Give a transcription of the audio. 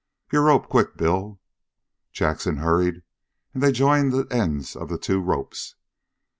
"Your rope, quick, Bill!" Jackson hurried and they joined the ends of the two ropes.